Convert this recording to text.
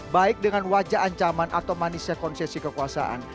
baik dengan wajah ancaman atau manisnya konsesi kekuasaan